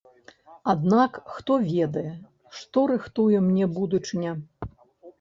Аднак хто ведае, што рыхтуе мне будучыня?